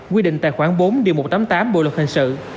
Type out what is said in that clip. quy định tài khoản bốn điều một trăm tám mươi tám bộ luật hình sự